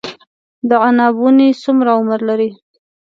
د عناب ونې څومره عمر لري؟